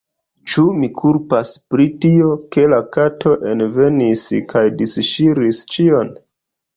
Ĉu mi kulpus pri tio, ke la kato envenis kaj disŝiris ĉion?